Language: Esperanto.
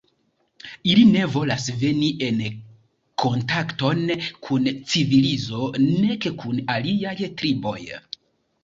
Ili ne volas veni en kontakton kun civilizo nek kun aliaj triboj.